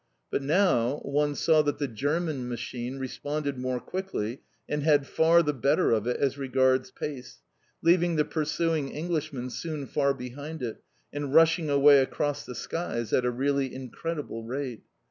But now one saw that the German machine responded more quickly and had far the better of it as regards pace, leaving the pursuing Englishman soon far behind it, and rushing away across the skies at a really incredible rate.